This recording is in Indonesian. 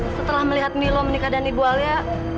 setelah melihat milo menikah dan ibu alia